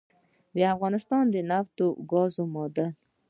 دافغانستان دنفت او ګازو معادن